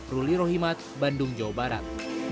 ruli rohimat bandung jawa barat